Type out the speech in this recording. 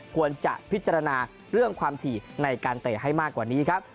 ควรจะพิจารณาเรื่องความถี่ในการเตะให้มากกว่านี้ครับ